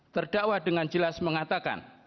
terdakwa dengan jelas mengatakan